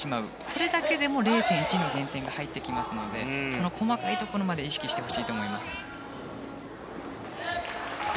これだけでも０．１の減点が入ってきますので細かいところまで意識してほしいと思います。